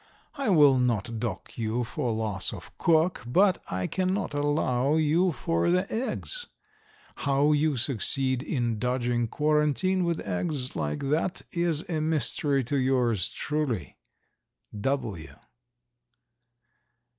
I will not dock you for loss of cook, but I cannot allow you for the eggs. How you succeed in dodging quarantine with eggs like that is a mystery to yours truly, W.